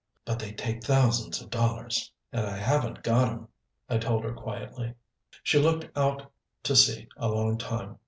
"But they take thousands of dollars and I haven't got 'em," I told her quietly. She looked out to sea a long time.